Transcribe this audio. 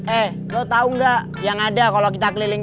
eh lu tau ga yang ada kalo kita keliling dua